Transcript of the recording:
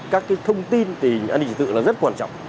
các cái thông tin tình an ninh trị tự là rất quan trọng